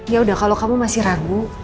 ya udah kalau kamu masih ragu